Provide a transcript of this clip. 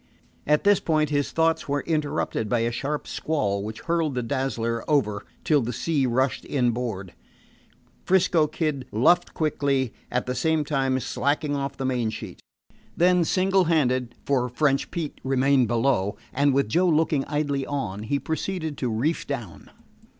At this point his thoughts were interrupted by a sharp squall, which hurled the Dazzler over till the sea rushed inboard. 'Frisco Kid luffed quickly, at the same time slacking off the main sheet. Then, single handed, for French Pete remained below, and with Joe looking idly on, he proceeded to reef down.